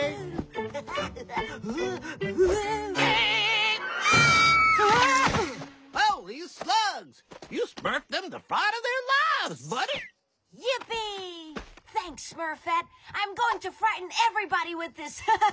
ハハハハ！